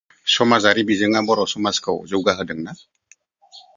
समाजारि बिजोङा बर' समाजखौ जौगाहोदों ना?